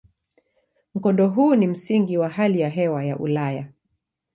Mkondo huu ni msingi kwa hali ya hewa ya Ulaya.